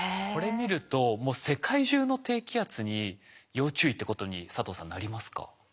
これ見るともう世界中の低気圧に要注意ってことに佐藤さんなりますか？